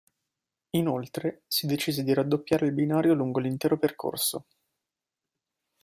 Inoltre si decise di raddoppiare il binario lungo l'intero percorso.